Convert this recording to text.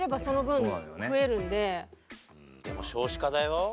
でも少子化だよ。